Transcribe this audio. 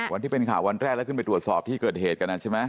ที่เป็นข่าววันแรกแล้วขึ้นไปตรวจสอบที่เกิดเหตุกันใช่ไหม